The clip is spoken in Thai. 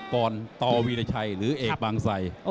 ปอนตอวีรชัยหรือเอกบางไซย